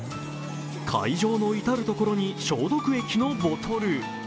会場の至るところに消毒液のボトル。